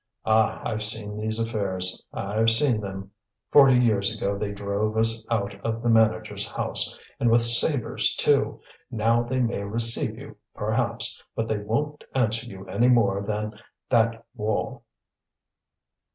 Ah! I've seen these affairs, I've seen them! Forty years ago they drove us out of the manager's house, and with sabres too! Now they may receive you, perhaps, but they won't answer you any more than that wall.